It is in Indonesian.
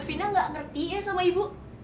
davina enggak ngerti ya sama ibu